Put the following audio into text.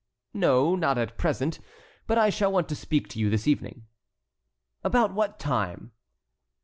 "No, not at present, but I shall want to speak to you this evening." "About what time?"